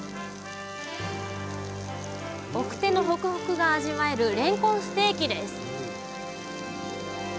晩生のホクホクが味わえるれんこんステーキです